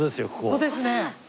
ここですね。